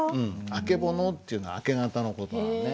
「あけぼの」っていうのは明け方の事なのね。